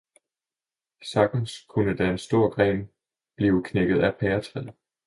Sagtens kunne da en stor gren blive knækket af pæretræet.